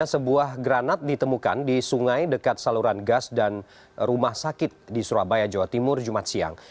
sebuah granat ditemukan di sungai dekat saluran gas dan rumah sakit di surabaya jawa timur jumat siang